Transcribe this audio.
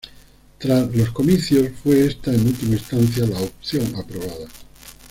Tras los comicios, fue esta en última instancia la opción aprobada.